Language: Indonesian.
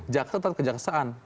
jaksa tetap kejaksaan